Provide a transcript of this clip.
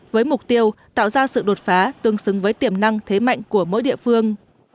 với mục tiêu tạo ra sự đột phá tương xứng với tiềm năng thế mạnh của mỗi địa phương